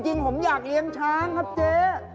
จริงผมอยากเลี้ยงช้างครับเจ๊